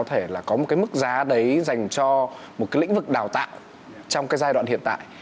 có thể là có một cái mức giá đấy dành cho một cái lĩnh vực đào tạo trong cái giai đoạn hiện tại